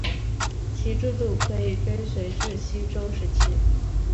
其制度可以追溯至西周时期。